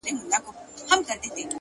د یخې اوبو لومړی څاڅکی بدن بیداروي!.